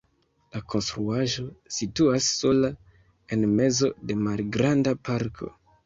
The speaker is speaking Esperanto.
La konstruaĵo situas sola en mezo de malgranda parko.